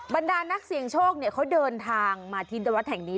บรรดานักเสี่ยงโชคเขาเดินทางมาที่วัดแห่งนี้